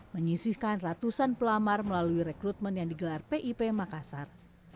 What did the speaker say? menyisihkan ratusan pelamar melalui rekrutmen yang digelar pip makassar